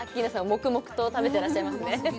黙々と食べてらっしゃいますね